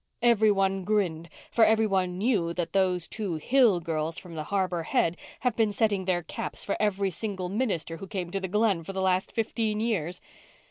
Every one grinned, for every one knew that those two Hill girls from the Harbour Head have been setting their caps for every single minister who came to the Glen for the last fifteen years.